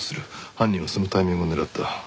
犯人はそのタイミングを狙った。